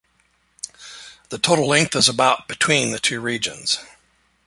The total length is about between the two regions.